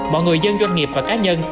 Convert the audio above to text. mọi người dân doanh nghiệp và cá nhân